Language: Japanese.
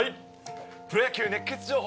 プロ野球熱ケツ情報。